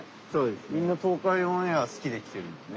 みんな東海オンエア好きで来てるんだね。